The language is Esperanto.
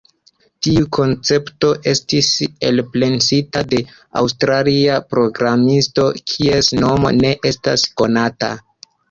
Tiu koncepto estis elpensita de aŭstralia programisto, kies nomo ne estas konata.